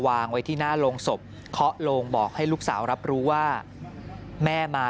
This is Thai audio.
วางไว้ที่หน้าโรงศพเคาะโลงบอกให้ลูกสาวรับรู้ว่าแม่มา